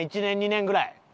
１年２年ぐらい。